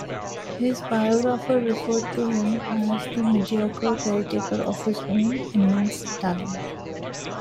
His biographer referred to him as the "mediocre caretaker of his own immense talent".